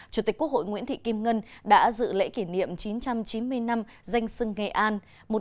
chủ tịch quốc hội nguyễn thị kim ngân đã dự lễ kỷ niệm chín trăm chín mươi năm danh sưng nghệ an một nghìn ba mươi hai nghìn hai mươi